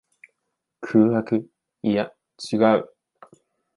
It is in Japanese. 空白。いや、違う。